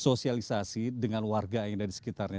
sosialisasi dengan warga yang ada di sekitarnya